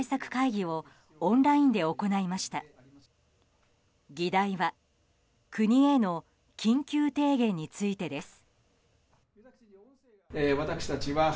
議題は国への緊急提言についてです。